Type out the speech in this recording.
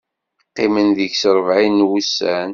Qqimen deg-s ṛebɛin n wussan.